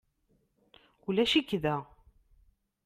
Ulac-ik da?